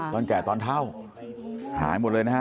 แก่ตอนเท่าหายหมดเลยนะฮะ